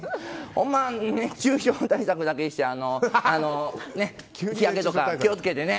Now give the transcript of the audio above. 熱中症対策だけして日焼けとか気を付けてね。